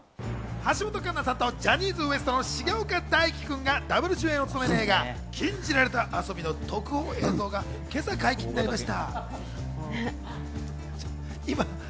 橋本環奈さんとジャニーズＷＥＳＴの重岡大毅君がダブル主演を務める映画『禁じられた遊び』の特報映像が今朝解禁になりました。